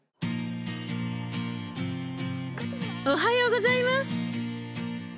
おはようございます。